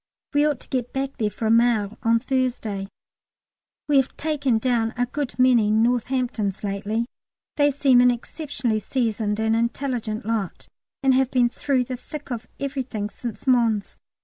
We ought to get back there for a mail on Thursday. We have taken down a good many Northamptons lately. They seem an exceptionally seasoned and intelligent lot, and have been through the thick of everything since Mons.